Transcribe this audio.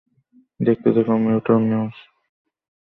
দেখতে থাকুন Midtown news.